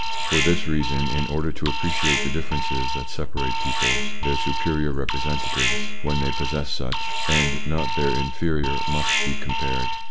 For this reason, in order to appreciate the differences that separate peoples, their superior representatives when they possess such and not their inferior must be compared.